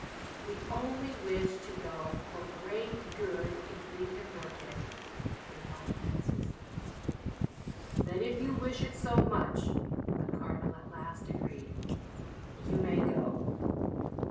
"We only wish to go for great good, if we can work it," replied Francis. "Then if you wish it so much," the Cardinal at last agreed, "you may go."